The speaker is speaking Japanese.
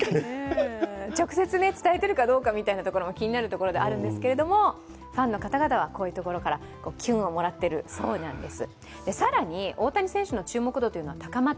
直接伝えているかどうかも気になるところではあるんですが、ファンの方々はこういうところから機運をもらっているようなんです。